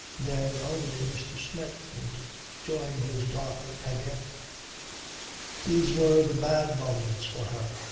Then only Mr. Smith would join his daughter again. These were the bad moments for her.